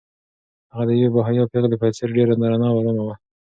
هغه د یوې باحیا پېغلې په څېر ډېره درنه او ارامه وه.